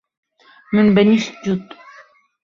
Min benîşt cût.